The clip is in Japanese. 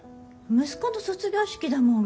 息子の卒業式だもん。